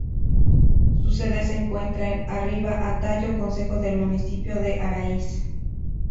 Su sede se encuentra en Arriba-Atallo, concejo del municipio de Araiz.